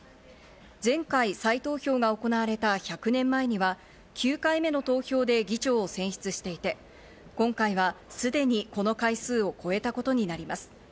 前回、再投票が行われた１００年前には、９回目の投票で議長を選出していて、今回はすでにこの回数を超えたことになります。